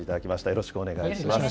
よろしくお願いします。